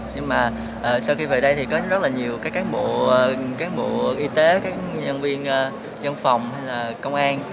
nhưng mà sau khi về đây thì có rất là nhiều các cán bộ y tế các nhân viên nhân phòng công an